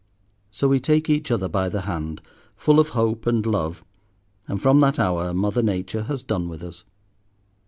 So we take each other by the hand, full of hope and love, and from that hour Mother Nature has done with us.